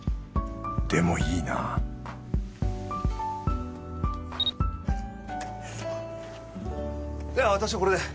でもいいなぁでは私はこれで。